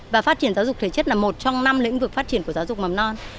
và phát triển giáo dục thể chất là một trong năm lĩnh vực phát triển của giáo dục mầm non